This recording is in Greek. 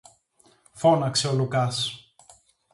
φώναξε ο Λουκάς